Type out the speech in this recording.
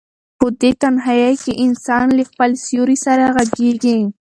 په دې تنهایۍ کې انسان له خپل سیوري سره غږېږي.